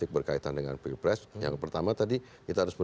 yang pertama tadi kita harus menunggu proses yang dihasilkan oleh mahkamah kontitusi